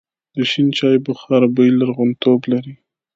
د شین چای بخار بوی لرغونتوب لري.